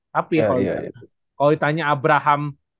tapi kalau ditanya abraham